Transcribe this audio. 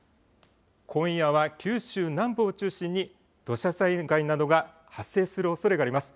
今夜は九州南部を中心に土砂災害などが発生するおそれがあります。